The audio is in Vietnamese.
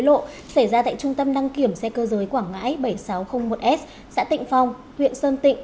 lộ xảy ra tại trung tâm đăng kiểm xe cơ giới quảng ngãi bảy nghìn sáu trăm linh một s xã tịnh phong huyện sơn tịnh